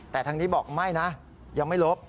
แต่ทางนี้บอกไม่นะยังไม่ลบ